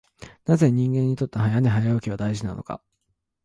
なぜ人間にとって早寝早起きは大事なのか。